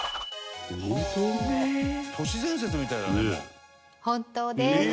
「都市伝説みたいだね」